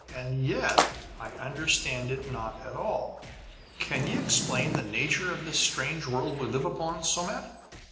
And yet, I understand it not at all. Can ye explain the nature of this strange world we live upon, Somat?"